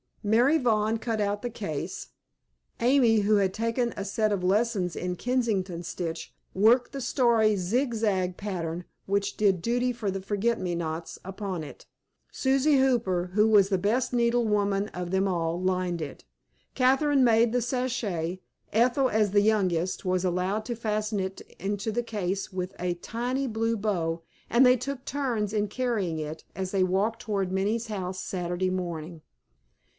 Mary Vaughn cut out the case. Amy, who had taken a set of lessons in Kensington stitch, worked the starry zigzag pattern, which did duty for forget me nots, upon it. Susy Hooper, who was the best needlewoman of them all, lined it. Catherine made the sachet. Ethel, as youngest, was allowed to fasten it into the case with a tiny blue bow, and they took turns in carrying it, as they walked toward Minnie's house Saturday morning.